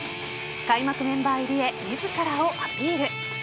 開幕メンバー入りへ自らをアピール。